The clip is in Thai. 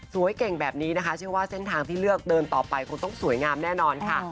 เก่งแบบนี้นะคะเชื่อว่าเส้นทางที่เลือกเดินต่อไปคงต้องสวยงามแน่นอนค่ะ